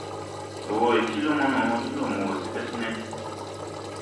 Ndo wo we ti lumo, ni ndo wo se Besne.